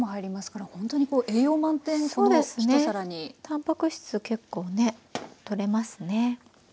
たんぱく質結構ねとれますね。